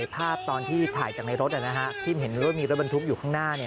ภาพตอนที่ถ่ายจากในรถที่เห็นว่ามีรถบรรทุกอยู่ข้างหน้า